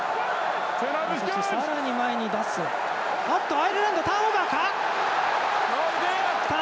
アイルランド、ターンオーバー！